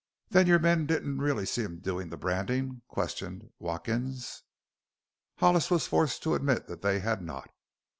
"Then your men didn't really see him doin' the brandin'?" questioned Watkins. Hollis was forced to admit that they had not.